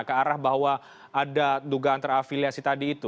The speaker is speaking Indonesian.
ke arah bahwa ada dugaan terafiliasi tadi itu